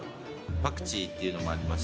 パクチーっていうのもありますし。